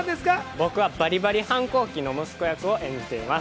僕はバリバリ反抗期の息子を演じています。